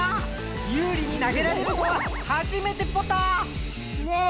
ユウリになげられるのははじめてポタ！ねん！